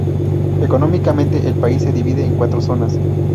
Económicamente, el país se divide en cuatro zonas.